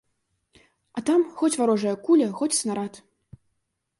А там хоць варожая куля, хоць снарад.